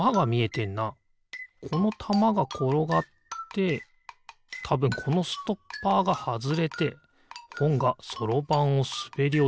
このたまがころがってたぶんこのストッパーがはずれてほんがそろばんをすべりおちると。